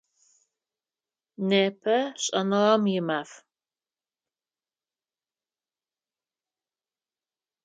Непэ Шӏэныгъэм и Маф.